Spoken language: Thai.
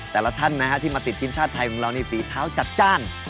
แต่ละท่านนะฮะที่มาติดทีมชาติไทยของเรานี่ฝีเท้าจัดจ้าน